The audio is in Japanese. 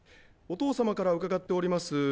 お父様から伺っております